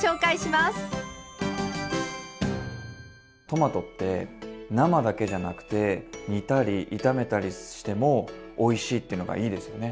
トマトって生だけじゃなくて煮たり炒めたりしてもおいしいっていうのがいいですよね。